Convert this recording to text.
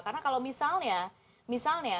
karena kalau misalnya misalnya